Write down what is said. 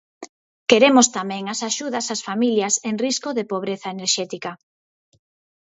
Queremos tamén as axudas ás familias en risco de pobreza enerxética.